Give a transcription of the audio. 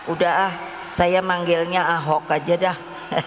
udah ah saya manggilnya ahok aja dah